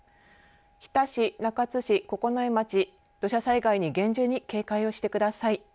日田市、中津市、九重町土砂災害に厳重に警戒をしてください。